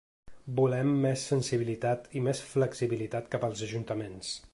“Volem més sensibilitat i més flexibilitat cap als ajuntaments”.